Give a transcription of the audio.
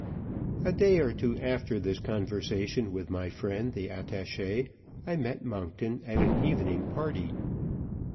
A day or two after this conversation with my friend the attache, I met Monkton at an evening party.